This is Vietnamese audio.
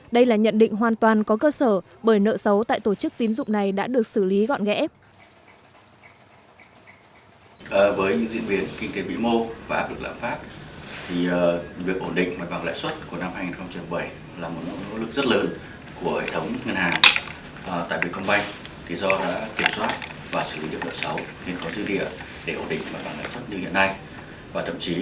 đây là nhận định hoàn toàn có cơ sở bởi nợ xấu tại tổ chức tín dụng này đã được xử lý gọn ghẽp